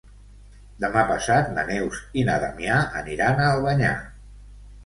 Demà passat na Neus i na Damià aniran a Albanyà.